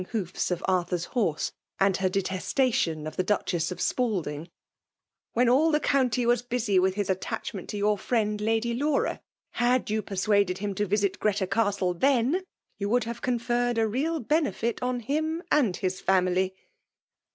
hooti df Arthurs horse, and her detestation of the Duchess of Spalding; "when all the county was "busy with his attachment to yOur frioid Lady VEMALB DOMINATION. 17 Uaura. Had you persuaded him to visit Greta Castle theiiy — ^you would have conferred a real henefit on him and his family